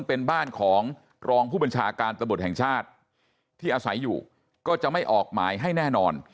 เป็นบ้านของรองผู้บัญชาการตำรวจแห่งชาติที่อาศัยอยู่ก็จะไม่ออกหมายให้แน่นอน